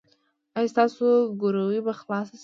ایا ستاسو ګروي به خلاصه شي؟